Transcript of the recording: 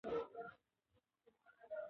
افغانستان د ژورې سرچینې له امله شهرت لري.